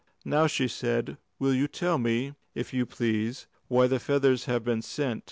"Now," she said, "will you tell me, if you please, why the feathers have been sent?"